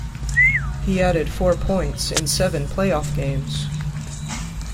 He added four points in seven playoff games.